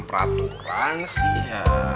peraturan sih ya